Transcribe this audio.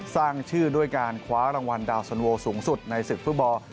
สร้างชื่อด้วยการคว้ารางวัลดาวสันโวสูงสุดในศึกฟุตบอล